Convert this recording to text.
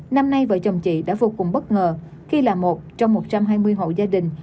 năm nay vợ chồng chị đã vô cùng bất ngờ khi là một trong một trăm hai mươi hộ gia đình